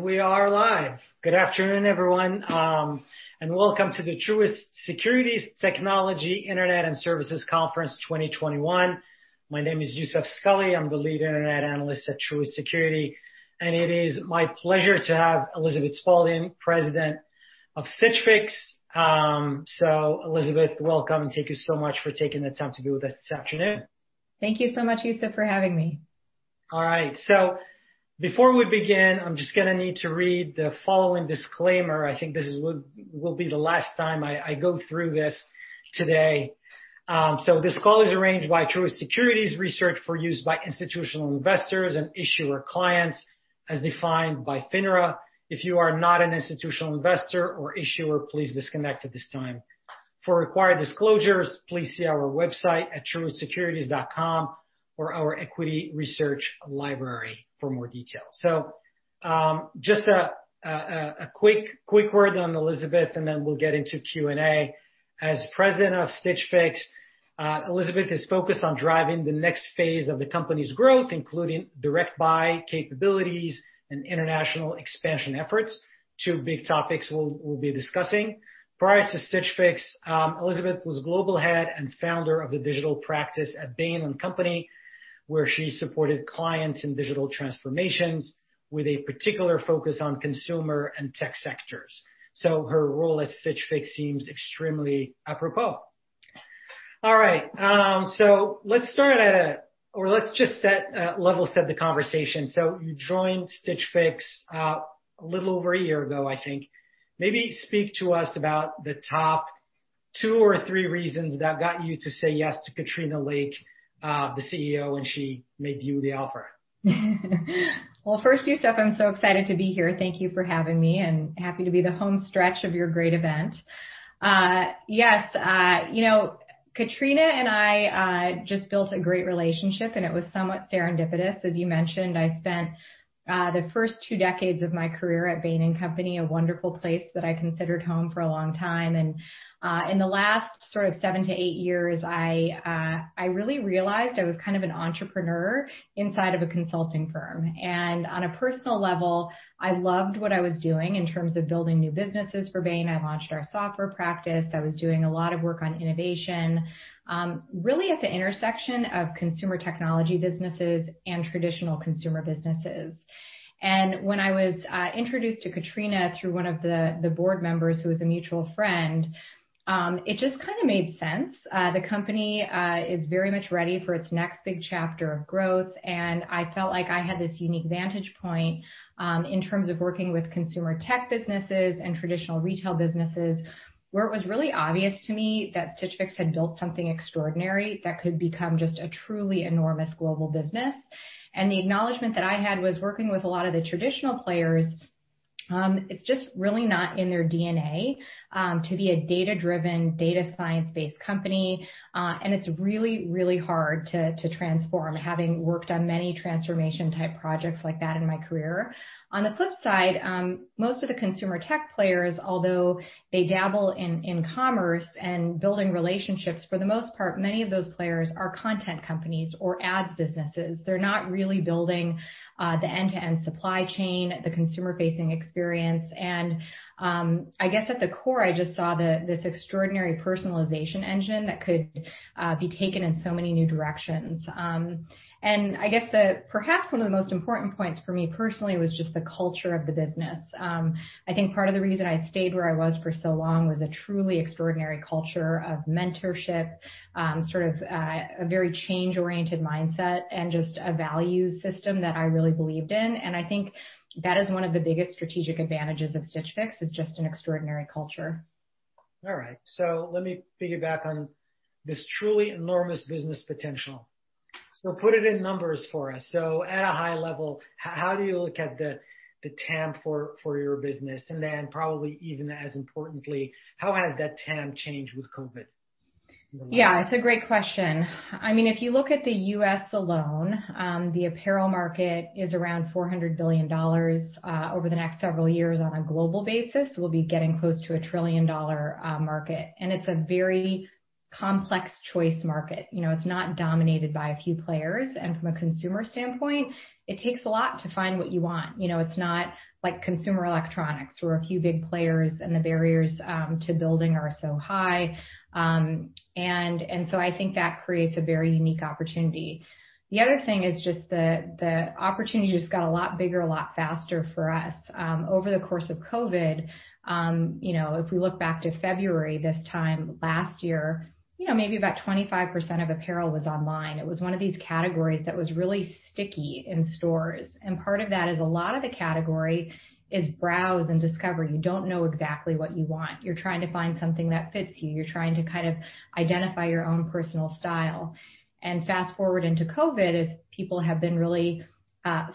We are live. Good afternoon, everyone, and welcome to the Truist Securities Technology, Internet & Services Conference 2021. My name is Youssef Squali, I'm the lead internet analyst at Truist Securities, and it is my pleasure to have Elizabeth Spaulding, President of Stitch Fix. Elizabeth, welcome, and thank you so much for taking the time to be with us this afternoon. Thank you so much, Youssef, for having me. All right. Before we begin, I'm just going to need to read the following disclaimer. I think this will be the last time I go through this, today. This call is arranged by Truist Securities research for use by institutional investors and issuer clients as defined by FINRA. If you are not an institutional investor or issuer, please disconnect at this time. For required disclosures, please see our website at truistsecurities.com or our equity research library for more details. Just a quick word on Elizabeth, and then we'll get into Q&A. As President of Stitch Fix, Elizabeth is focused on driving the next phase of the company's growth, including Direct Buy capabilities and international expansion efforts. Two big topics we'll be discussing. Prior to Stitch Fix, Elizabeth was global head and founder of the digital practice at Bain & Company, where she supported clients in digital transformations with a particular focus on consumer and tech sectors. Her role at Stitch Fix seems extremely apropos. All right. Let's just level set the conversation. You joined Stitch Fix a little over a year ago, I think. Maybe speak to us about the top two or three reasons that got you to say yes to Katrina Lake, the Chief Executive Officer, when she made you the offer. First, Youssef, I'm so excited to be here. Thank you for having me, and happy to be the home stretch of your great event. Yes. Katrina and I just built a great relationship, and it was somewhat serendipitous. As you mentioned, I spent the first two decades of my career at Bain & Company, a wonderful place that I considered home for a long time. In the last sort of seven - eight years, I really realized I was kind of an entrepreneur inside of a consulting firm. On a personal level, I loved what I was doing in terms of building new businesses for Bain. I launched our software practice. I was doing a lot of work on innovation, really at the intersection of consumer technology businesses and traditional consumer businesses. When I was introduced to Katrina through one of the board members who was a mutual friend, it just kind of made sense. The company is very much ready for its next big chapter of growth, and I felt like I had this unique vantage point, in terms of working with consumer tech businesses and traditional retail businesses, where it was really obvious to me that Stitch Fix had built something extraordinary that could become just a truly enormous global business. The acknowledgement that I had was working with a lot of the traditional players, it's just really not in their DNA, to be a data-driven, data science-based company. It's really, really hard to transform, having worked on many transformation type projects like that in my career. On the flip side, most of the consumer tech players, although they dabble in commerce and building relationships, for the most part, many of those players are content companies or ads businesses. They're not really building the end-to-end supply chain, the consumer-facing experience. I guess at the core, I just saw this extraordinary personalization engine that could be taken in so many new directions. I guess perhaps one of the most important points for me personally was just the culture of the business. I think part of the reason I stayed where I was for so long was a truly extraordinary culture of mentorship, sort of a very change-oriented mindset and just a value system that I really believed in. I think that is one of the biggest strategic advantages of Stitch Fix is just an extraordinary culture. All right. Let me piggyback on this truly enormous business potential. Put it in numbers for us. At a high level, how do you look at the TAM for your business? Probably even as importantly, how has that TAM changed with COVID? Yeah, it's a great question. If you look at the U.S. alone, the apparel market is around $400 billion. Over the next several years on a global basis, we'll be getting close to a trillion-dollar market. It's a very complex choice market. It's not dominated by a few players, and from a consumer standpoint, it takes a lot to find what you want. It's not like consumer electronics, where a few big players and the barriers to building are so high. I think that creates a very unique opportunity. The other thing is just the opportunity just got a lot bigger, a lot faster for us. Over the course of COVID, if we look back to February this time last year, maybe about 25% of apparel was online. It was one of these categories that was really sticky in stores. Part of that is a lot of the category is browse and discover. You don't know exactly what you want. You're trying to find something that fits you. You're trying to kind of identify your own personal style. Fast-forward into COVID, as people have been really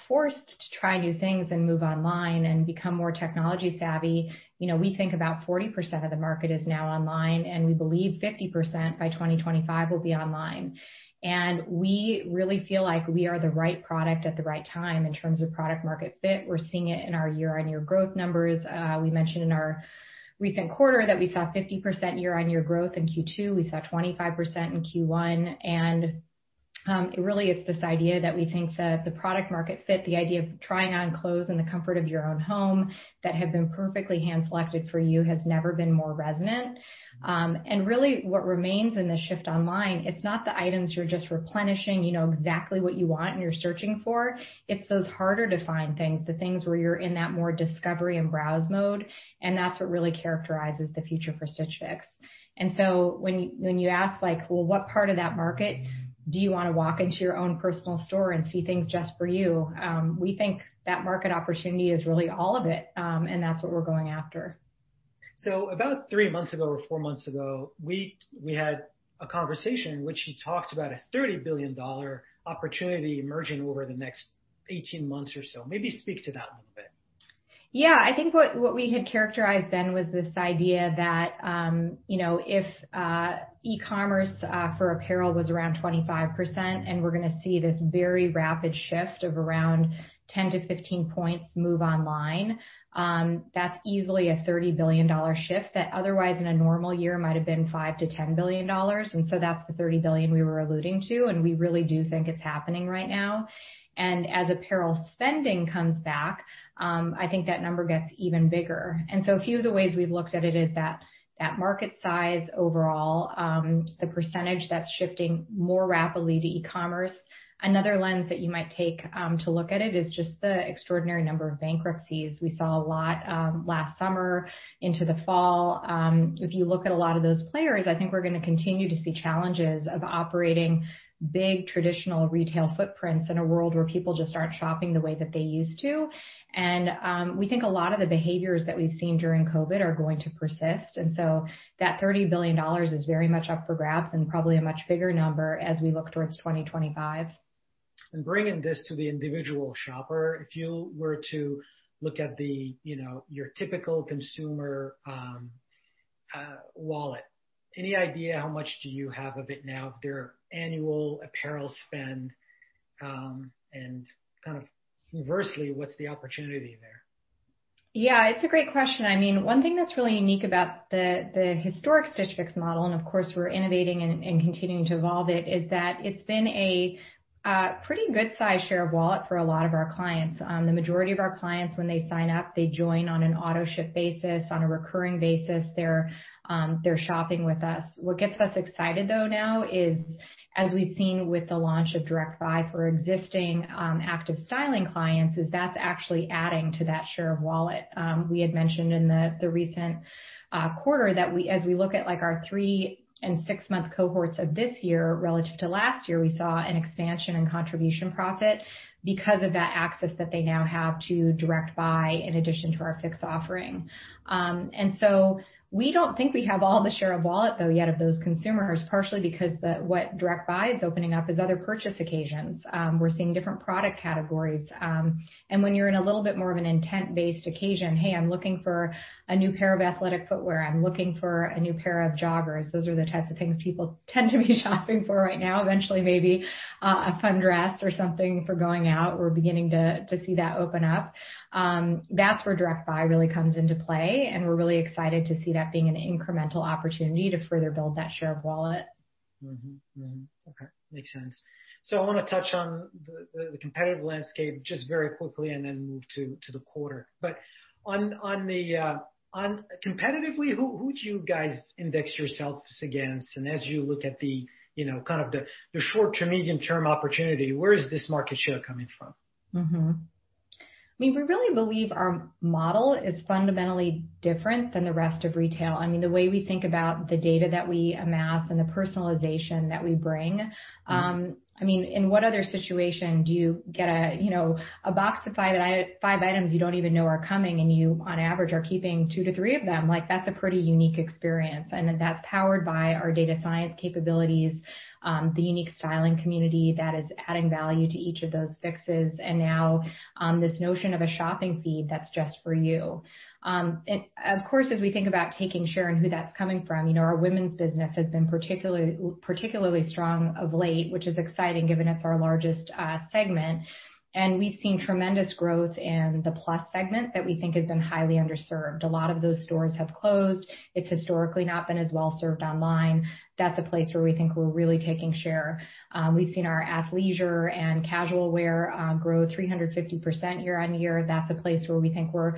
forced to try new things and move online and become more technology savvy, we think about 40% of the market is now online, and we believe 50% by 2025 will be online. We really feel like we are the right product at the right time in terms of product market fit. We're seeing it in our year-over-year growth numbers. We mentioned in our recent quarter that we saw 50% year-over-year growth in Q2. We saw 25% in Q1. It really is this idea that we think the product market fit, the idea of trying on clothes in the comfort of your own home that have been perfectly hand-selected for you has never been more resonant. Really what remains in the shift online, it's not the items you're just replenishing, you know exactly what you want and you're searching for. It's those harder-to-find things, the things where you're in that more discovery and browse mode. That's what really characterizes the future for Stitch Fix. When you ask, well, what part of that market do you want to walk into your own personal store and see things just for you, we think that market opportunity is really all of it. That's what we're going after. About three months ago or four months ago, we had a conversation in which you talked about a $30 billion opportunity emerging over the next 18 months or so. Maybe speak to that a little bit. I think what we had characterized then was this idea that if e-commerce for apparel was around 25%, we're going to see this very rapid shift of around 10-15 points move online, that's easily a $30 billion shift that otherwise in a normal year might have been $5 billion-$10 billion. That's the $30 billion we were alluding to, and we really do think it's happening right now. As apparel spending comes back, I think that number gets even bigger. A few of the ways we've looked at it is that market size overall, the percentage that's shifting more rapidly to e-commerce. Another lens that you might take to look at it is just the extraordinary number of bankruptcies. We saw a lot last summer into the fall. If you look at a lot of those players, I think we're going to continue to see challenges of operating big traditional retail footprints in a world where people just aren't shopping the way that they used to. We think a lot of the behaviors that we've seen during COVID are going to persist. That $30 billion is very much up for grabs and probably a much bigger number as we look towards 2025. Bringing this to the individual shopper, if you were to look at your typical consumer wallet, any idea how much do you have of it now, their annual apparel spend, and kind of inversely, what's the opportunity there? Yeah, it's a great question. One thing that's really unique about the historic Stitch Fix model, and of course, we're innovating and continuing to evolve it, is that it's been a pretty good size share of wallet for a lot of our clients. The majority of our clients, when they sign up, they join on an auto-ship basis, on a recurring basis. They're shopping with us. What gets us excited though now is, as we've seen with the launch of Direct Buy for existing active styling clients, is that's actually adding to that share of wallet. We had mentioned in the recent quarter that as we look at our three and six-month cohorts of this year relative to last year, we saw an expansion in contribution profit because of that access that they now have to Direct Buy in addition to our Fix offering. We don't think we have all the share of wallet though yet of those consumers, partially because what Direct Buy is opening up is other purchase occasions. We're seeing different product categories. When you're in a little bit more of an intent-based occasion, "Hey, I'm looking for a new pair of athletic footwear. I'm looking for a new pair of joggers." Those are the types of things people tend to be shopping for right now. Eventually, maybe a fun dress or something for going out. We're beginning to see that open up. That's where Direct Buy really comes into play, and we're really excited to see that being an incremental opportunity to further build that share of wallet. Mm-hmm. Okay. Makes sense. I want to touch on the competitive landscape just very quickly and then move to the quarter. Competitively, who do you guys index yourselves against? As you look at kind of the short-term, medium-term opportunity, where is this market share coming from? We really believe our model is fundamentally different than the rest of retail, the way we think about the data that we amass and the personalization that we bring. In what other situation do you get a box of five items you don't even know are coming, and you, on average, are keeping 2 - 3 of them? That's a pretty unique experience, and that's powered by our data science capabilities, the unique styling community that is adding value to each of those Fixes, and now this notion of a shopping feed that's just for you. Of course, as we think about taking share and who that's coming from, our women's business has been particularly strong of late, which is exciting given it's our largest segment. We've seen tremendous growth in the plus segment that we think has been highly underserved. A lot of those stores have closed. It's historically not been as well-served online. That's a place where we think we're really taking share. We've seen our athleisure and casual wear grow 350% year-on-year. That's a place where we think we're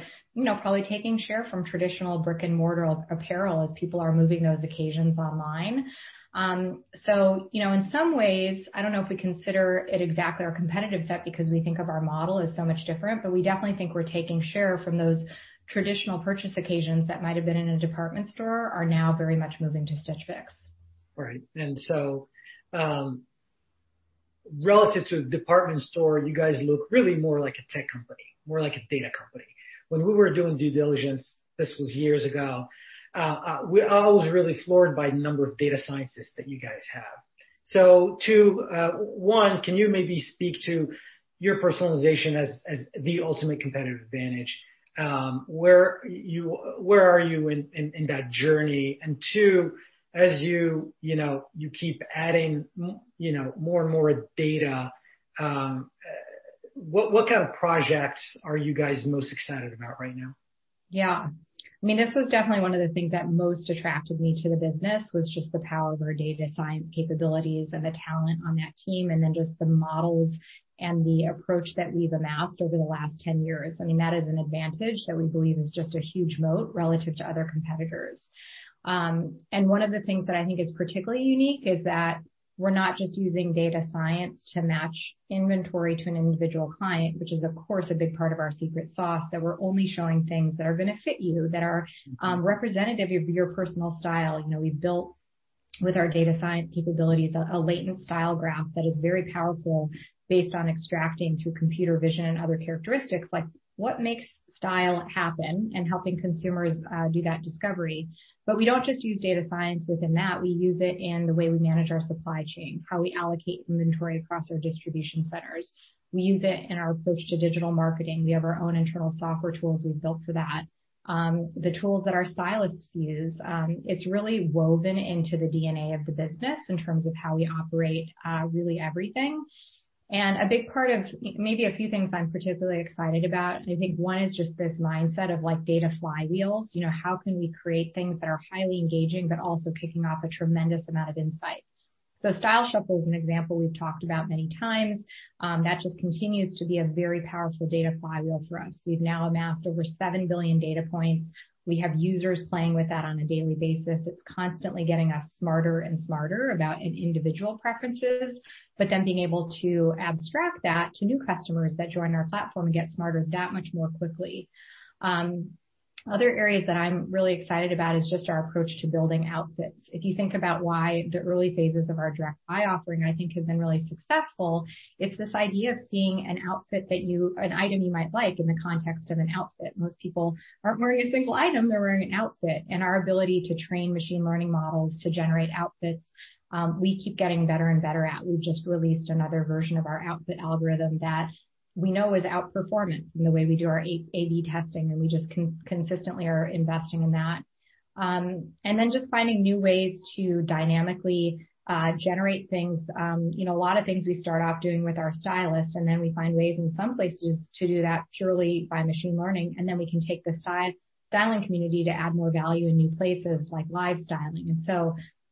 probably taking share from traditional brick-and-mortar apparel as people are moving those occasions online. In some ways, I don't know if we consider it exactly our competitive set because we think of our model as so much different, but we definitely think we're taking share from those traditional purchase occasions that might've been in a department store are now very much moving to Stitch Fix. Right. Relative to the department store, you guys look really more like a tech company, more like a data company. When we were doing due diligence, this was years ago, I was really floored by the number of data scientists that you guys have. One, can you maybe speak to your personalization as the ultimate competitive advantage? Where are you in that journey? Two, as you keep adding more and more data, what kind of projects are you guys most excited about right now? Yeah. This was definitely one of the things that most attracted me to the business, was just the power of our data science capabilities and the talent on that team, and then just the models and the approach that we've amassed over the last 10 years. That is an advantage that we believe is just a huge moat relative to other competitors. One of the things that I think is particularly unique is that we're not just using data science to match inventory to an individual client, which is, of course, a big part of our secret sauce, that we're only showing things that are going to fit you, that are representative of your personal style. We've built, with our data science capabilities, a latent style graph that is very powerful based on extracting through computer vision and other characteristics, like what makes style happen, and helping consumers do that discovery. We don't just use data science within that. We use it in the way we manage our supply chain, how we allocate inventory across our distribution centers. We use it in our approach to digital marketing. We have our own internal software tools we've built for that. The tools that our stylists use, it's really woven into the DNA of the business in terms of how we operate really everything. A big part of, maybe a few things I'm particularly excited about, I think one is just this mindset of data flywheels. How can we create things that are highly engaging, but also kicking off a tremendous amount of insight? Style Shuffle is an example we've talked about many times. That just continues to be a very powerful data flywheel for us. We've now amassed over 7 billion data points. We have users playing with that on a daily basis. It's constantly getting us smarter and smarter about individual preferences, but then being able to abstract that to new customers that join our platform get smarter that much more quickly. Other areas that I'm really excited about is just our approach to building outfits. If you think about why the early phases of our Direct Buy offering, I think, have been really successful, it's this idea of seeing an item you might like in the context of an outfit. Most people aren't wearing a single item, they're wearing an outfit. Our ability to train machine learning models to generate outfits, we keep getting better and better at. We've just released another version of our outfit algorithm that we know is outperforming in the way we do our A/B testing, and we just consistently are investing in that, just finding new ways to dynamically generate things. A lot of things we start off doing with our stylists, and then we find ways in some places to do that purely by machine learning, and then we can take the styling community to add more value in new places, like live styling.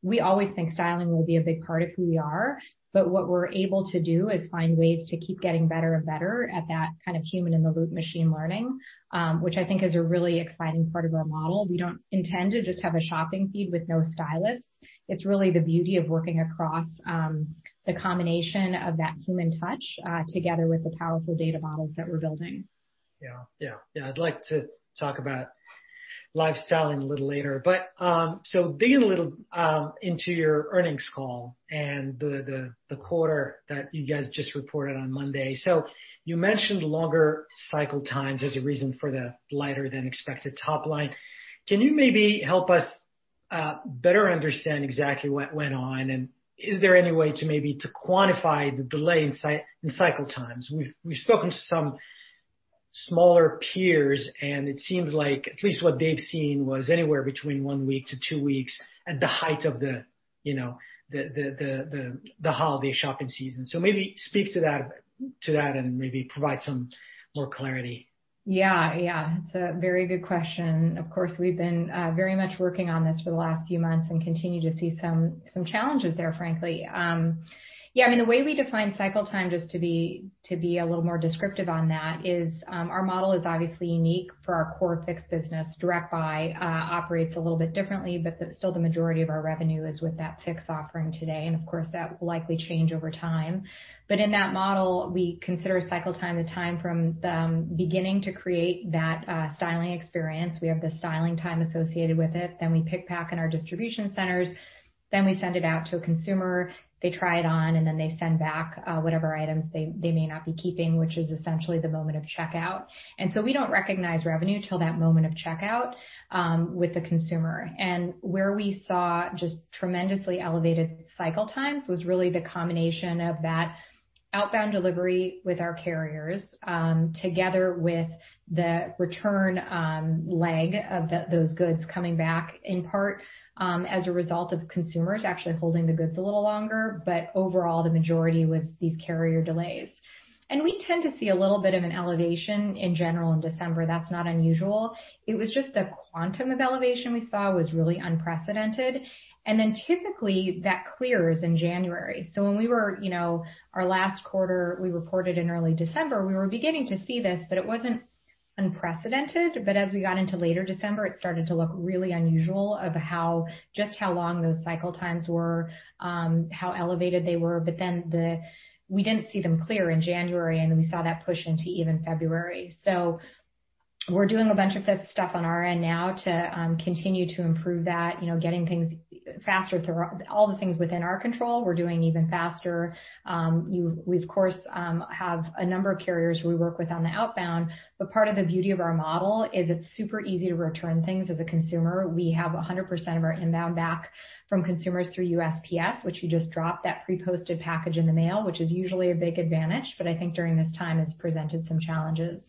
We always think styling will be a big part of who we are, but what we're able to do is find ways to keep getting better and better at that kind of human-in-the-loop machine learning, which I think is a really exciting part of our model. We don't intend to just have a shopping feed with no stylists. It's really the beauty of working across the combination of that human touch, together with the powerful data models that we're building. Yeah. I'd like to talk about Live Styling a little later. Digging a little into your earnings call and the quarter that you guys just reported on Monday. You mentioned longer cycle times as a reason for the lighter than expected top line. Can you maybe help us better understand exactly what went on, and is there any way to maybe quantify the delay in cycle times? We've spoken to some smaller peers, and it seems like at least what they've seen was anywhere between one week - two weeks at the height of the holiday shopping season. Maybe speak to that, and maybe provide some more clarity. Yeah. It's a very good question. Of course, we've been very much working on this for the last few months and continue to see some challenges there, frankly. Yeah, the way we define cycle time, just to be a little more descriptive on that, is our model is obviously unique for our core Fix business. Direct Buy operates a little bit differently, but still the majority of our revenue is with that Fix offering today. Of course, that will likely change over time. In that model, we consider cycle time the time from the beginning to create that styling experience. We have the styling time associated with it, then we pick-pack in our distribution centers, then we send it out to a consumer, they try it on, and then they send back whatever items they may not be keeping, which is essentially the moment of checkout. We don't recognize revenue till that moment of checkout with the consumer. Where we saw just tremendously elevated cycle times was really the combination of that outbound delivery with our carriers, together with the return leg of those goods coming back, in part, as a result of consumers actually holding the goods a little longer. Overall, the majority was these carrier delays. We tend to see a little bit of an elevation in general in December. That's not unusual. It was just the quantum of elevation we saw was really unprecedented. Typically, that clears in January. Our last quarter, we reported in early December, we were beginning to see this, but it wasn't unprecedented. As we got into later December, it started to look really unusual of just how long those cycle times were, how elevated they were. We didn't see them clear in January, and then we saw that push into even February. We're doing a bunch of this stuff on our end now to continue to improve that, getting things faster through all the things within our control, we're doing even faster. Part of the beauty of our model is it's super easy to return things as a consumer. We have 100% of our inbound back from consumers through USPS, which you just drop that pre-posted package in the mail, which is usually a big advantage, but I think during this time has presented some challenges.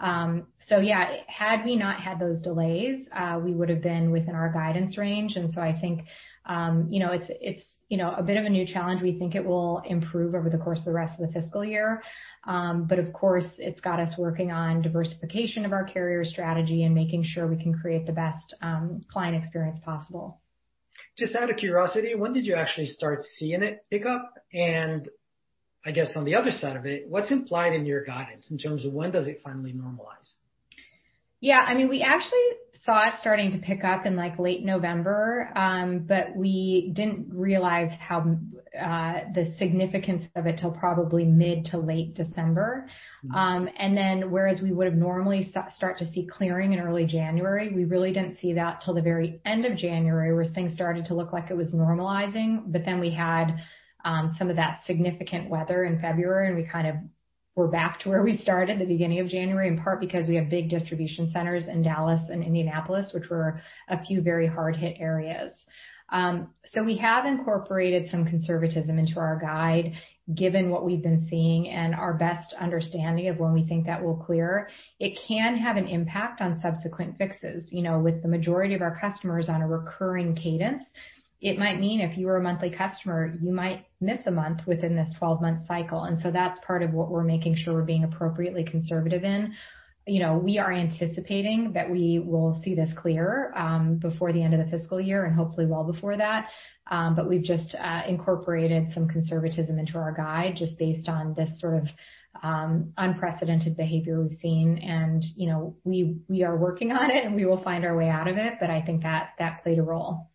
Yeah, had we not had those delays, we would've been within our guidance range. I think, it's a bit of a new challenge. We think it will improve over the course of the rest of the fiscal year. Of course, it's got us working on diversification of our carrier strategy and making sure we can create the best client experience possible. Just out of curiosity, when did you actually start seeing it pick up? I guess on the other side of it, what's implied in your guidance in terms of when does it finally normalize? Yeah, we actually saw it starting to pick up in late November, but we didn't realize the significance of it till probably mid to late December. Whereas we would've normally start to see clearing in early January, we really didn't see that till the very end of January, where things started to look like it was normalizing. We had some of that significant weather in February, and we kind of were back to where we started at the beginning of January, in part because we have big distribution centers in Dallas and Indianapolis, which were a two very hard-hit areas. We have incorporated some conservatism into our guide, given what we've been seeing and our best understanding of when we think that will clear. It can have an impact on Subsequent Fixes. With the majority of our customers on a recurring cadence, it might mean if you are a monthly customer, you might miss a month within this 12-month cycle. That's part of what we're making sure we're being appropriately conservative in. We are anticipating that we will see this clear before the end of the fiscal year and hopefully well before that. We've just incorporated some conservatism into our guide just based on this sort of unprecedented behavior we've seen. We are working on it, and we will find our way out of it, but I think that played a role.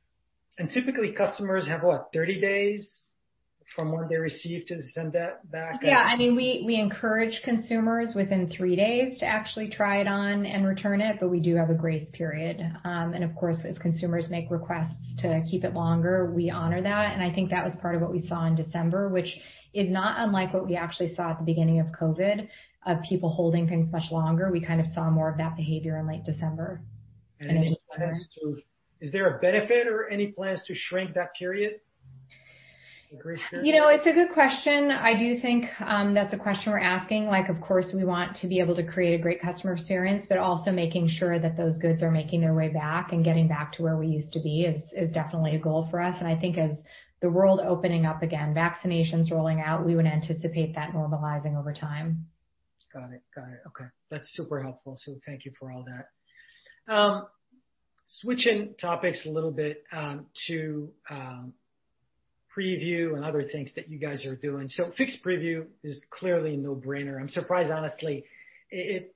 Typically customers have what, 30 days from when they receive to send that back? Yeah. We encourage consumers within three days to actually try it on and return it, but we do have a grace period. Of course, if consumers make requests to keep it longer, we honor that. I think that was part of what we saw in December, which is not unlike what we actually saw at the beginning of COVID, of people holding things much longer. We kind of saw more of that behavior in late December and into January. Is there a benefit or any plans to shrink that period, the grace period? It's a good question. I do think that's a question we're asking, of course we want to be able to create a great customer experience, but also making sure that those goods are making their way back and getting back to where we used to be is definitely a goal for us. I think as the world opening up again, vaccinations rolling out, we would anticipate that normalizing over time. Got it. Okay. That's super helpful, Sue. Thank you for all that. Switching topics a little bit to Preview and other things that you guys are doing. Fix Preview is clearly a no-brainer. I'm surprised, honestly, it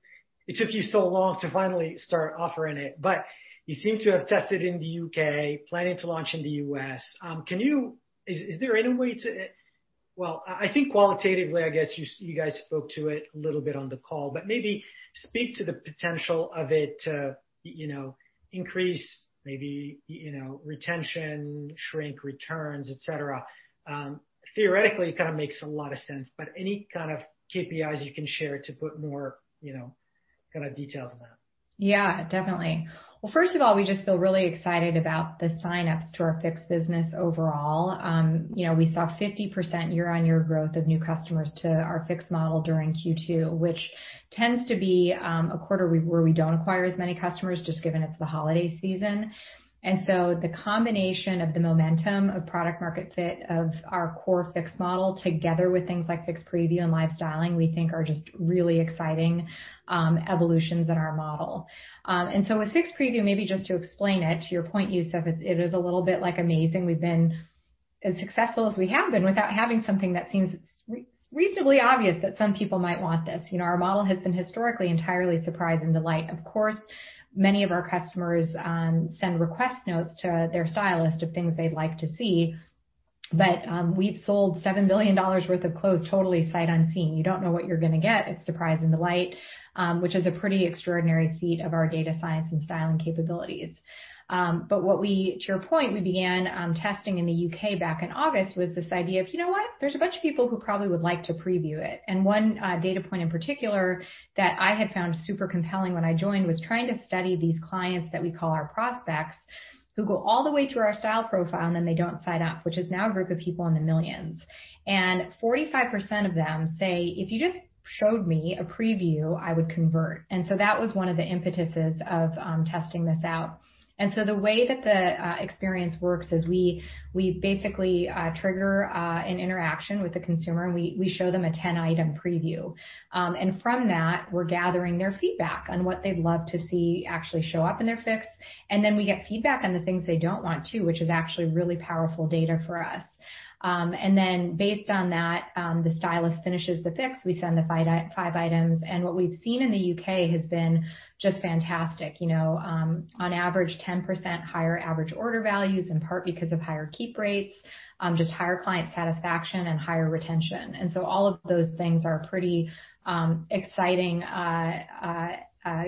took you so long to finally start offering it, but you seem to have tested in the U.K., planning to launch in the U.S. Is there any way to Well, I think qualitatively, I guess you guys spoke to it a little bit on the call, but maybe speak to the potential of it to increase maybe retention, shrink returns, et cetera. Theoretically, it kind of makes a lot of sense, but any kind of KPIs you can share to put more kind of details on that? Yeah, definitely. First of all, we just feel really excited about the sign-ups to our Fix business overall. We saw 50% year-over-year growth of new customers to our Fix model during Q2, which tends to be a quarter where we don't acquire as many customers, just given it's the holiday season. The combination of the momentum of product market fit of our core Fix model together with things like Fix Preview and Life styleing, we think are just really exciting evolutions in our model. With Fix Preview, maybe just to explain it, to your point, Youssef, it is a little bit like amazing we've been as successful as we have been without having something that seems reasonably obvious that some people might want this. Our model has been historically entirely surprise and delight. Many of our customers send request notes to their stylist of things they'd like to see, but we've sold $7 billion worth of clothes totally sight unseen. You don't know what you're going to get. It's surprise and delight, which is a pretty extraordinary feat of our data science and styling capabilities. What we, to your point, we began testing in the U.K. back in August, was this idea of, you know what? There's a bunch of people who probably would like to preview it. One data point in particular that I had found super compelling when I joined was trying to study these clients that we call our prospects, who go all the way through our style profile, and then they don't sign up, which is now a group of people in the millions. 45% of them say, "If you just showed me a preview, I would convert." That was one of the impetuses of testing this out. The way that the experience works is we basically trigger an interaction with the consumer, and we show them a 10-item preview. From that, we're gathering their feedback on what they'd love to see actually show up in their Fix, and then we get feedback on the things they don't want too, which is actually really powerful data for us. Based on that, the stylist finishes the Fix, we send the five items. What we've seen in the U.K. has been just fantastic. On average, 10% higher average order values, in part because of higher keep rates, just higher client satisfaction, and higher retention. All of those things are pretty exciting,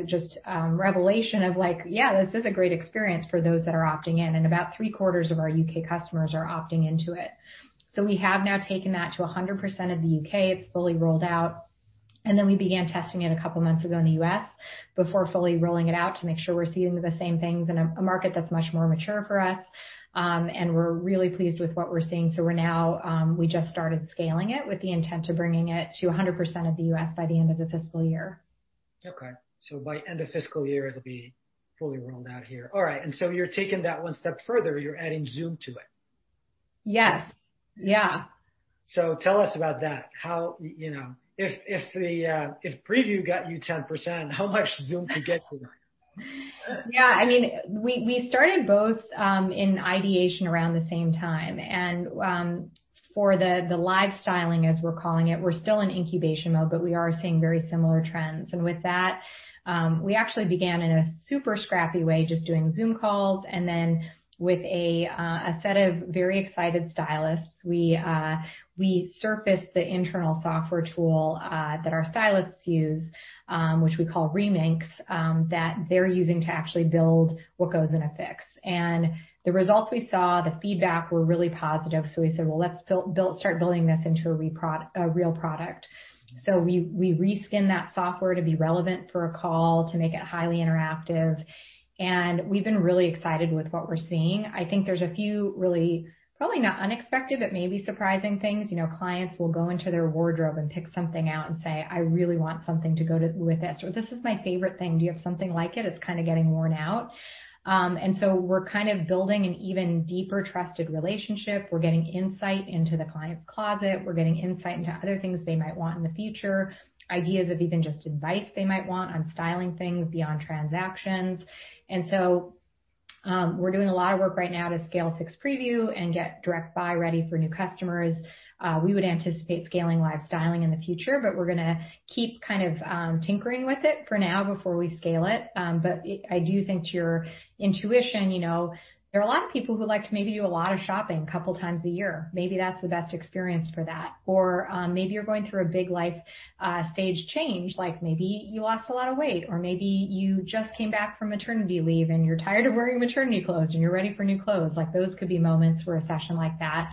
just revelation of like, "Yeah, this is a great experience for those that are opting in." About three-quarters of our U.K. customers are opting into it. We have now taken that to 100% of the U.K. It's fully rolled out, and then we began testing it a couple of months ago in the U.S. before fully rolling it out to make sure we're seeing the same things in a market that's much more mature for us. We're really pleased with what we're seeing. We just started scaling it with the intent of bringing it to 100% of the U.S. by the end of the fiscal year. Okay. By end of fiscal year, it'll be fully rolled out here. All right. You're taking that one step further. You're adding Zoom to it. Yes. Yeah. Tell us about that. If Preview got you 10%, how much Zoom could get you? Yeah, we started both in ideation around the same time. For the Live Styling, as we're calling it, we're still in incubation mode, but we are seeing very similar trends. With that, we actually began in a super scrappy way, just doing Zoom calls. With a set of very excited stylists, we surfaced the internal software tool that our stylists use, which we call Remix, that they're using to actually build what goes in a Fix. The results we saw, the feedback were really positive. We said, "Well, let's start building this into a real product." We re-skin that software to be relevant for a call to make it highly interactive, and we've been really excited with what we're seeing. I think there's a few really, probably not unexpected, but maybe surprising things. Clients will go into their wardrobe and pick something out and say, "I really want something to go with this," or, "This is my favorite thing. Do you have something like it? It's kind of getting worn out." We're kind of building an even deeper trusted relationship. We're getting insight into the client's closet. We're getting insight into other things they might want in the future, ideas of even just advice they might want on styling things beyond transactions. We're doing a lot of work right now to scale Fix Preview and get Direct Buy ready for new customers. We would anticipate scaling Live Styling in the future, but we're going to keep kind of tinkering with it for now before we scale it. I do think to your intuition, there are a lot of people who like to maybe do a lot of shopping a couple times a year. Maybe that's the best experience for that. Maybe you're going through a big life stage change, like maybe you lost a lot of weight, or maybe you just came back from maternity leave, and you're tired of wearing maternity clothes, and you're ready for new clothes. Those could be moments where a session like that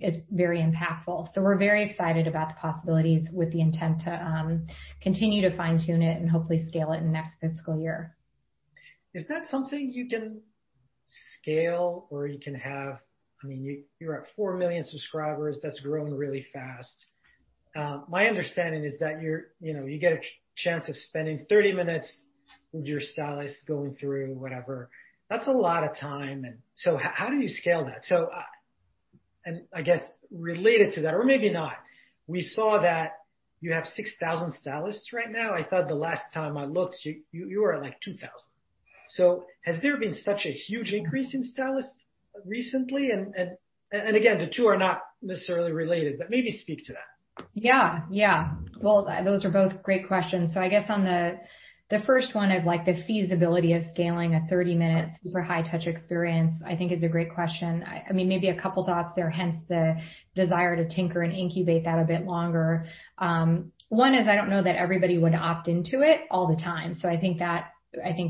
is very impactful. We're very excited about the possibilities with the intent to continue to fine-tune it and hopefully scale it in the next fiscal year. Is that something you can scale, or you're at 4 million subscribers? That's growing really fast. My understanding is that you get a chance of spending 30 minutes with your stylist going through whatever. That's a lot of time. How do you scale that? I guess related to that, or maybe not, we saw that you have 6,000 stylists right now. I thought the last time I looked, you were at like 2,000. Has there been such a huge increase in stylists recently? Again, the two are not necessarily related, but maybe speak to that. Yeah. Well, those are both great questions. I guess on the first one of the feasibility of scaling a 30-minute super high touch experience, I think is a great question. Maybe a couple thoughts there, hence the desire to tinker and incubate that a bit longer. One is, I don't know that everybody would opt into it all the time. I think that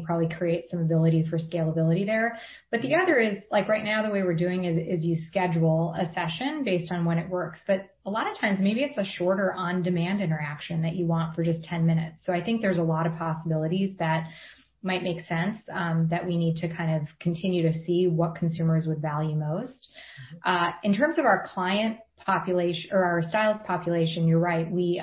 probably creates some ability for scalability there. The other is, right now, the way we're doing it is you schedule a session based on when it works. A lot of times, maybe it's a shorter on-demand interaction that you want for just 10 minutes. I think there's a lot of possibilities that might make sense, that we need to kind of continue to see what consumers would value most. In terms of our stylist population, you're right. We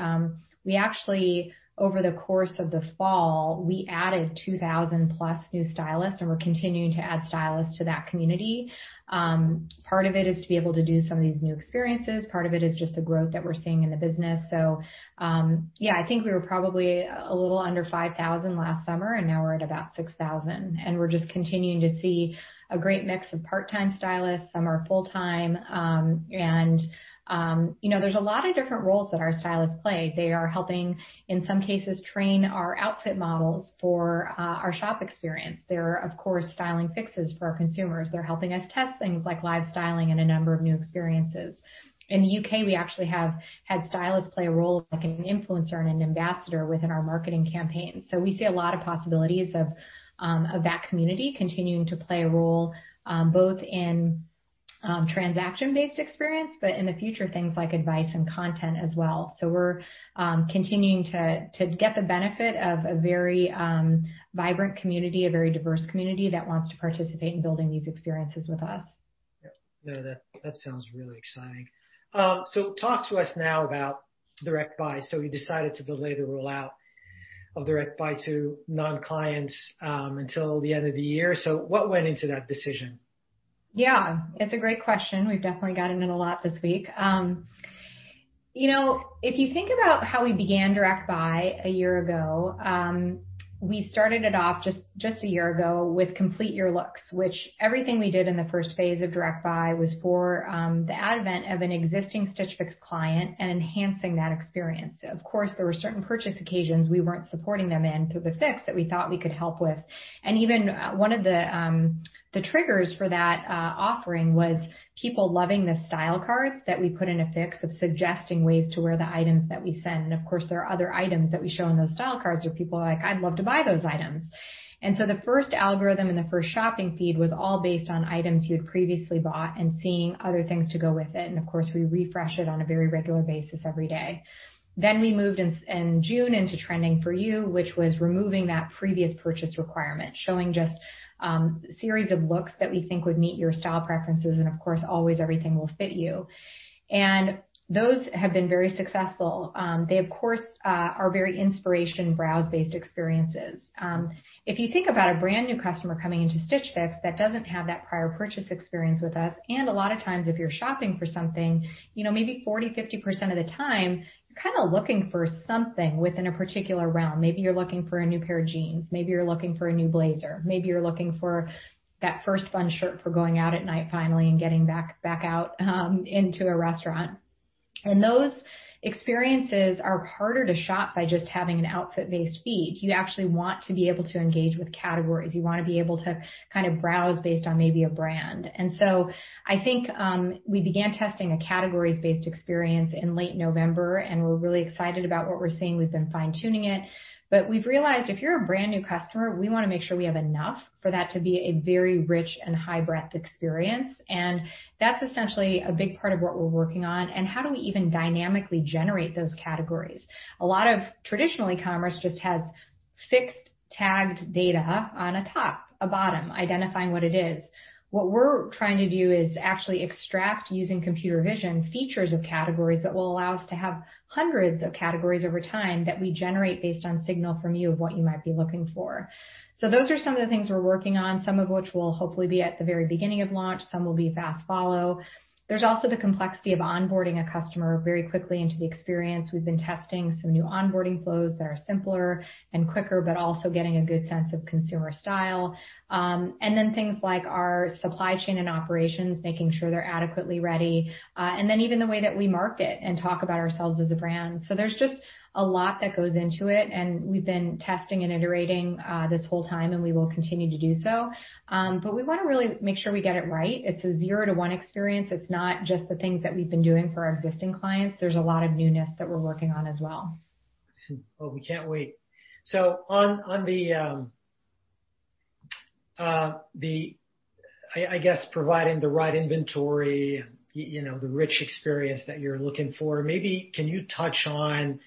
actually, over the course of the fall, we added 2,000-plus new stylists, and we're continuing to add stylists to that community. Part of it is to be able to do some of these new experiences. Part of it is just the growth that we're seeing in the business. Yeah, I think we were probably a little under 5,000 last summer, and now we're at about 6,000, and we're just continuing to see a great mix of part-time stylists. Some are full-time. There's a lot of different roles that our stylists play. They are helping, in some cases, train our outfit models for our shop experience. They're, of course, styling Fixes for our consumers. They're helping us test things like Live Styling and a number of new experiences. In the U.K., we actually have had stylists play a role of an influencer and an ambassador within our marketing campaign. We see a lot of possibilities of that community continuing to play a role, both in transaction-based experience, but in the future, things like advice and content as well. We're continuing to get the benefit of a very vibrant community, a very diverse community that wants to participate in building these experiences with us. Yeah. That sounds really exciting. Talk to us now about Direct Buy. You decided to delay the rollout of Direct Buy to non-clients until the end of the year. What went into that decision? Yeah. It's a great question. We've definitely gotten it a lot this week. If you think about how we began Direct Buy a year ago, we started it off just a year ago with Complete Your Looks, which everything we did in the first phase of Direct Buy was for the advent of an existing Stitch Fix client and enhancing that experience. Of course, there were certain purchase occasions we weren't supporting them in through the Fix that we thought we could help with. Even one of the triggers for that offering was people loving the style cards that we put in a Fix of suggesting ways to wear the items that we send. Of course, there are other items that we show in those style cards where people are like, "I'd love to buy those items." The first algorithm and the first shopping feed was all based on items you had previously bought and seeing other things to go with it. Of course, we refresh it on a very regular basis every day. We moved in June into Trending For You, which was removing that previous purchase requirement, showing just a series of looks that we think would meet your style preferences, and of course, always everything will fit you. Those have been very successful. They, of course, are very inspiration browse-based experiences. If you think about a brand new customer coming into Stitch Fix that doesn't have that prior purchase experience with us, and a lot of times, if you're shopping for something, maybe 40%-50% of the time you're kind of looking for something within a particular realm. Maybe you're looking for a new pair of jeans. Maybe you're looking for a new blazer. Maybe you're looking for that first fun shirt for going out at night finally and getting back out into a restaurant. Those experiences are harder to shop by just having an outfit-based feed. You actually want to be able to engage with categories. You want to be able to kind of browse based on maybe a brand. I think we began testing a categories-based experience in late November, and we're really excited about what we're seeing. We've been fine-tuning it. We've realized if you're a brand new customer, we want to make sure we have enough for that to be a very rich and high breadth experience. That's essentially a big part of what we're working on, and how do we even dynamically generate those categories? A lot of traditional e-commerce just has fixed tagged data on a top, a bottom, identifying what it is. What we're trying to do is actually extract using computer vision, features of categories that will allow us to have hundreds of categories over time that we generate based on signal from you of what you might be looking for. Those are some of the things we're working on, some of which will hopefully be at the very beginning of launch, some will be fast follow. There's also the complexity of onboarding a customer very quickly into the experience. We've been testing some new onboarding flows that are simpler and quicker, but also getting a good sense of consumer style. Things like our supply chain and operations, making sure they're adequately ready. Even the way that we market and talk about ourselves as a brand. There's just a lot that goes into it, and we've been testing and iterating this whole time, and we will continue to do so. We want to really make sure we get it right. It's a zero to one experience. It's not just the things that we've been doing for our existing clients. There's a lot of newness that we're working on as well. Well, we can't wait. On, I guess, providing the right inventory and the rich experience that you're looking for, maybe can you touch on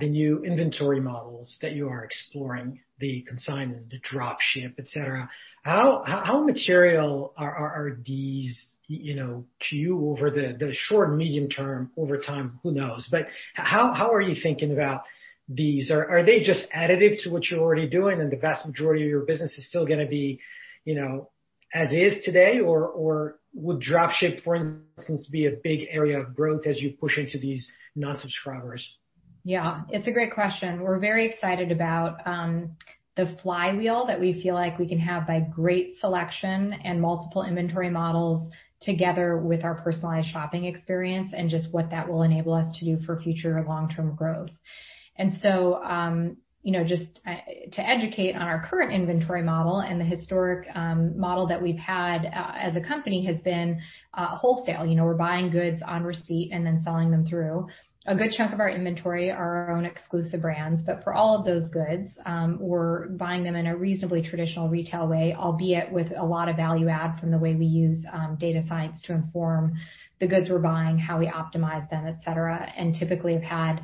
the new inventory models that you are exploring, the consignment, the Drop Ship, et cetera. How material are these to you over the short and medium term? Over time, who knows? How are you thinking about these? Are they just additive to what you're already doing, and the vast majority of your business is still going to be as is today, or would Drop Ship, for instance, be a big area of growth as you push into these non-subscribers? Yeah, it's a great question. We're very excited about the flywheel that we feel like we can have by great selection and multiple inventory models together with our personalized shopping experience and just what that will enable us to do for future long-term growth. Just to educate on our current inventory model and the historic model that we've had as a company has been wholesale. We're buying goods on receipt and then selling them through. A good chunk of our inventory are our own exclusive brands, but for all of those goods, we're buying them in a reasonably traditional retail way, albeit with a lot of value add from the way we use data science to inform the goods we're buying, how we optimize them, et cetera. Typically, we've had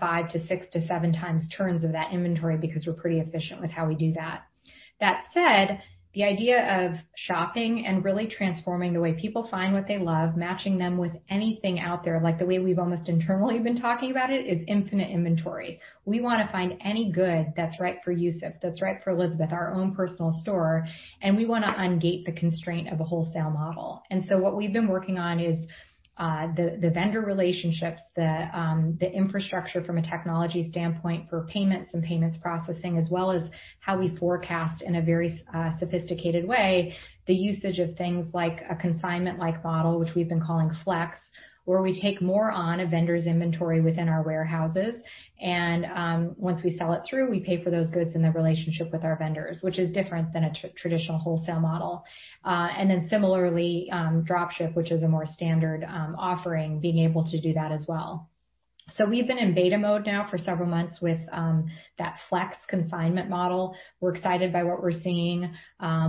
five - six - seven times turns of that inventory because we're pretty efficient with how we do that. That said, the idea of shopping and really transforming the way people find what they love, matching them with anything out there, like the way we've almost internally been talking about it, is infinite inventory. We want to find any good that's right for Youssef, that's right for Elizabeth, our own personal store, and we want to ungate the constraint of a wholesale model. What we've been working on is the vendor relationships, the infrastructure from a technology standpoint for payments and payments processing, as well as how we forecast in a very sophisticated way the usage of things like a consignment-like model, which we've been calling Flex, where we take more on a vendor's inventory within our warehouses, and once we sell it through, we pay for those goods in the relationship with our vendors, which is different than a traditional wholesale model. Similarly, Drop Ship, which is a more standard offering, being able to do that as well. We've been in beta mode now for several months with that Flex consignment model. We're excited by what we're seeing,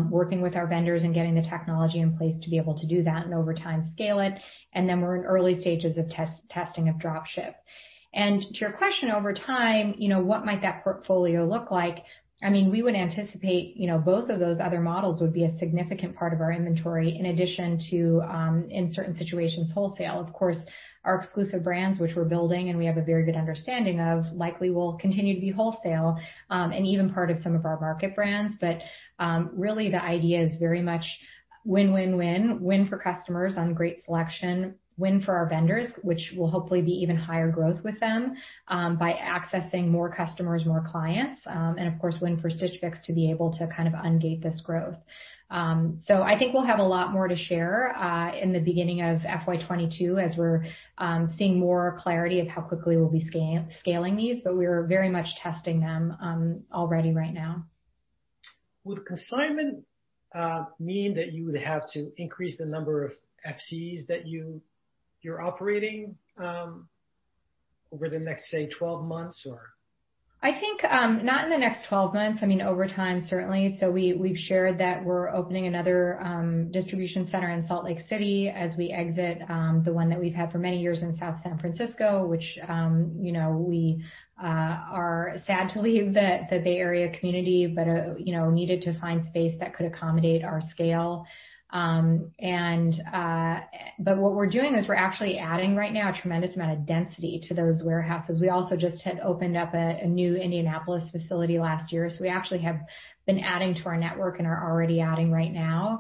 working with our vendors and getting the technology in place to be able to do that and over time scale it. We're in early stages of testing of Drop Ship. To your question, over time, what might that portfolio look like? We would anticipate both of those other models would be a significant part of our inventory in addition to, in certain situations, wholesale. Of course, our exclusive brands, which we're building and we have a very good understanding of, likely will continue to be wholesale, and even part of some of our market brands. Really the idea is very much win-win-win. Win for customers on great selection, win for our vendors, which will hopefully be even higher growth with them by accessing more customers, more clients, and of course, win for Stitch Fix to be able to kind of ungate this growth. I think we'll have a lot more to share in the beginning of FY 2022 as we're seeing more clarity of how quickly we'll be scaling these, but we are very much testing them already right now. Would consignment mean that you would have to increase the number of FCs that you're operating over the next, say, 12 months? I think not in the next 12 months. Over time, certainly. We've shared that we're opening another distribution center in Salt Lake City as we exit the one that we've had for many years in South San Francisco, which we are sad to leave the Bay Area community, but needed to find space that could accommodate our scale. What we're doing is we're actually adding right now a tremendous amount of density to those warehouses. We also just had opened up a new Indianapolis facility last year, so we actually have been adding to our network and are already adding right now.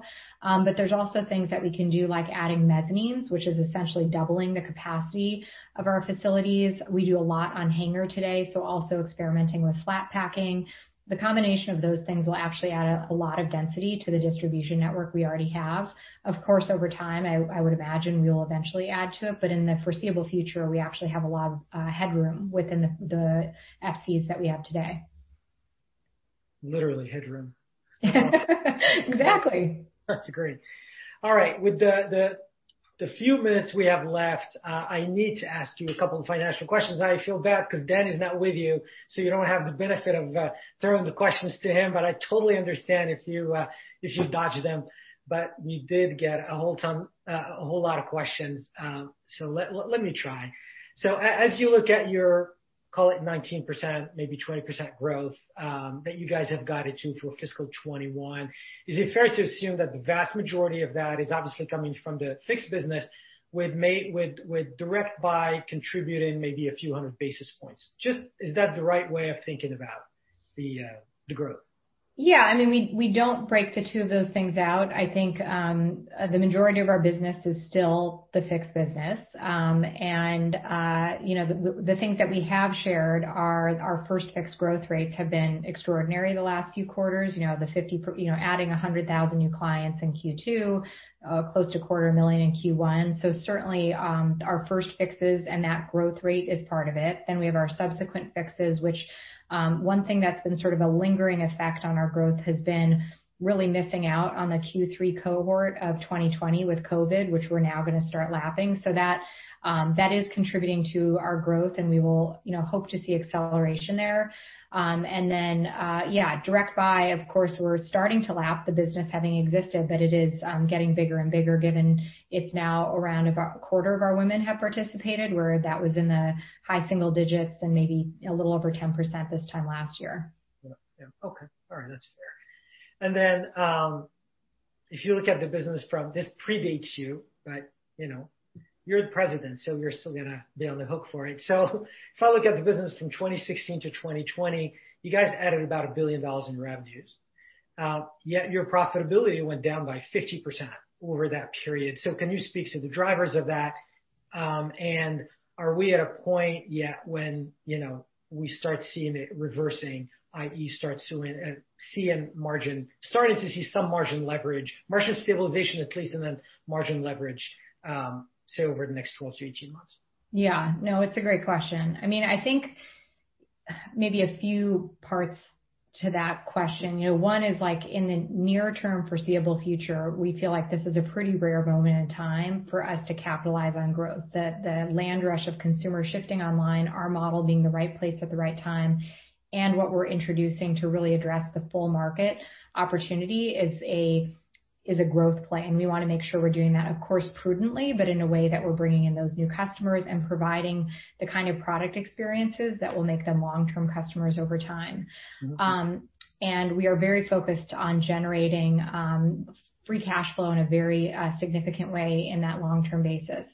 There's also things that we can do, like adding mezzanines, which is essentially doubling the capacity of our facilities. We do a lot on hanger today, so also experimenting with flat packing. The combination of those things will actually add a lot of density to the distribution network we already have. Of course, over time, I would imagine we'll eventually add to it, but in the foreseeable future, we actually have a lot of headroom within the FCs that we have today. Literally, headroom. Exactly. That's great. All right. With the few minutes we have left, I need to ask you a couple of financial questions. I feel bad because Dan is not with you, so you don't have the benefit of throwing the questions to him, but I totally understand if you dodge them. We did get a whole lot of questions, let me try. As you look at your, call it 19%, maybe 20% growth that you guys have guided to for FY 2021, is it fair to assume that the vast majority of that is obviously coming from the Fix Business with Direct Buy contributing maybe a few hundred basis points? Just, is that the right way of thinking about the growth? Yeah. We don't break the two of those things out. I think the majority of our business is still the Fixed Business. The things that we have shared are our First Fix growth rates have been extraordinary the last few quarters. Adding 100,000 new clients in Q2, close to quarter million in Q1. Certainly, our First Fixes and that growth rate is part of it, and we have our Subsequent Fixes, which one thing that's been sort of a lingering effect on our growth has been really missing out on the Q3 cohort of 2020 with COVID, which we're now going to start lapping. That is contributing to our growth, and we will hope to see acceleration there. Yeah, Direct Buy, of course, we're starting to lap the business having existed, but it is getting bigger and bigger given it's now around about a quarter of our women have participated, where that was in the high single digits and maybe a little over 10% this time last year. Yeah. Okay. All right. That's fair. If you look at the business from, this predates you, but you're the President, so you're still going to be on the hook for it. If I look at the business from 2016 to 2020, you guys added about $1 billion in revenues. Yet your profitability went down by 50% over that period. Can you speak to the drivers of that? Are we at a point yet when we start seeing it reversing, i.e., starting to see some margin leverage, margin stabilization at least, and then margin leverage, say, over the next 12 - 18 months? Yeah. No, it's a great question. I think maybe a few parts to that question. One is in the near term foreseeable future, we feel like this is a pretty rare moment in time for us to capitalize on growth. The land rush of consumer shifting online, our model being the right place at the right time, and what we're introducing to really address the full market opportunity is a growth plan. We want to make sure we're doing that, of course, prudently, but in a way that we're bringing in those new customers and providing the kind of product experiences that will make them long-term customers over time. Okay. We are very focused on generating free cash flow in a very significant way in that long term basis.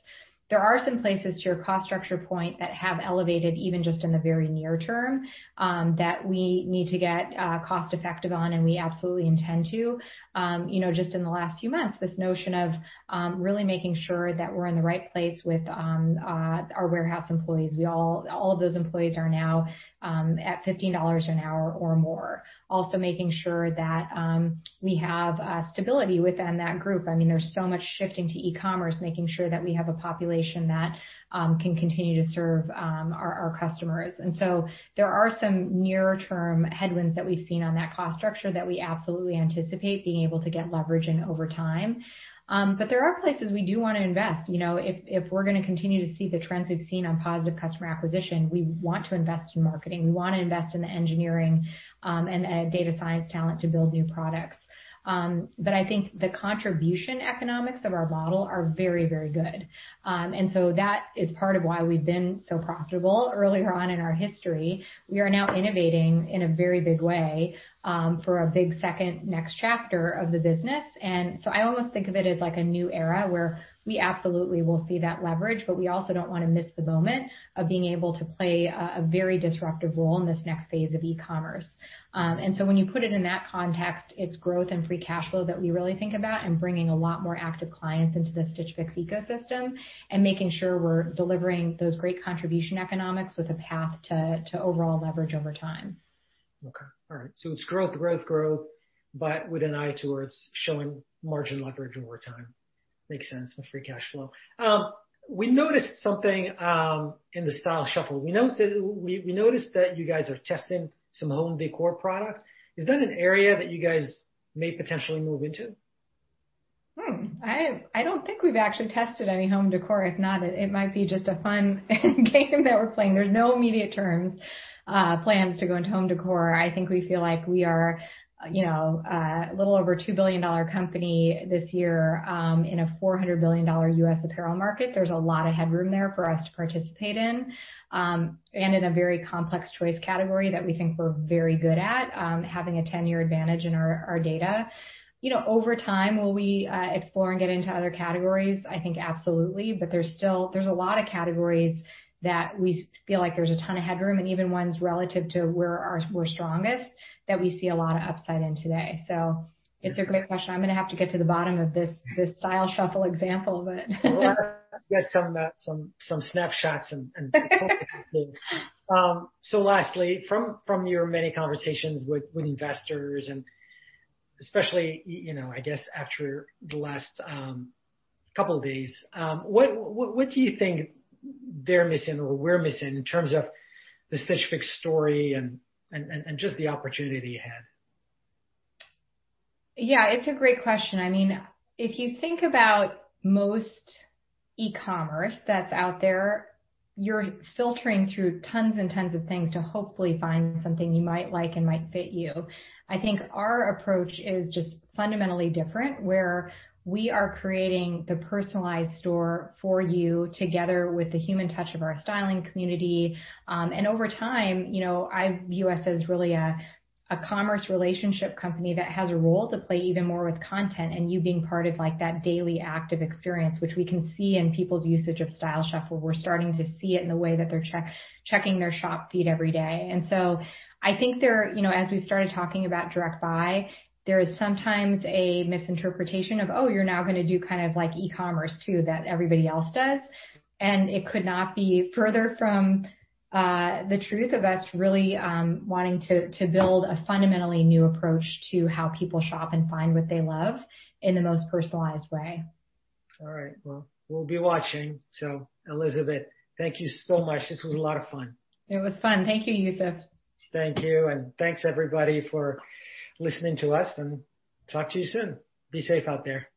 There are some places to your cost structure point that have elevated even just in the very near term, that we need to get cost effective on, and we absolutely intend to. Just in the last few months, this notion of really making sure that we're in the right place with our warehouse employees. All of those employees are now at $15 an hour or more. Also making sure that we have stability within that group. There's so much shifting to e-commerce, making sure that we have a population that can continue to serve our customers. There are some near-term headwinds that we've seen on that cost structure that we absolutely anticipate being able to get leverage in over time. There are places we do want to invest. If we're going to continue to see the trends we've seen on positive customer acquisition, we want to invest in marketing. We want to invest in the engineering and data science talent to build new products. I think the contribution economics of our model are very, very good. That is part of why we've been so profitable earlier on in our history. We are now innovating in a very big way, for a big second next chapter of the business. I almost think of it as like a new era where we absolutely will see that leverage, but we also don't want to miss the moment of being able to play a very disruptive role in this next phase of e-commerce. When you put it in that context, it's growth and free cash flow that we really think about and bringing a lot more active clients into the Stitch Fix ecosystem and making sure we're delivering those great contribution economics with a path to overall leverage over time. It's growth, but with an eye towards showing margin leverage over time. Makes sense with free cash flow. We noticed something in the Style Shuffle. We noticed that you guys are testing some home decor products. Is that an area that you guys may potentially move into? I don't think we've actually tested any home decor. If not, it might be just a fun game that we're playing. There's no immediate terms, plans to go into home decor. I think we feel like we are a little over $2 billion company this year, in a $400 billion U.S. apparel market. There's a lot of headroom there for us to participate in. In a very complex choice category that we think we're very good at, having a 10-year advantage in our data. Over time, will we explore and get into other categories? I think absolutely, there's a lot of categories that we feel like there's a ton of headroom, and even ones relative to where we're strongest, that we see a lot of upside in today. It's a great question. I'm going to have to get to the bottom of this Style Shuffle example. We'll have to get some snapshots and talk about things. Lastly, from your many conversations with investors and especially, I guess after the last couple days, what do you think they're missing or we're missing in terms of the Stitch Fix story and just the opportunity ahead? Yeah, it's a great question. If you think about most e-commerce that's out there, you're filtering through tons and tons of things to hopefully find something you might like and might fit you. I think our approach is just fundamentally different, where we are creating the personalized store for you together with the human touch of our styling community. Over time, I view us as really a commerce relationship company that has a role to play even more with content, and you being part of that daily active experience, which we can see in people's usage of Style Shuffle. We're starting to see it in the way that they're checking their shop feed every day. I think as we've started talking about Direct Buy, there is sometimes a misinterpretation of, "Oh, you're now going to do kind of like e-commerce too, that everybody else does." It could not be further from the truth of us really wanting to build a fundamentally new approach to how people shop and find what they love in the most personalized way. All right. Well, we'll be watching. Elizabeth, thank you so much. This was a lot of fun. It was fun. Thank you, Youssef. Thank you, and thanks everybody for listening to us, and talk to you soon. Be safe out there. Yes.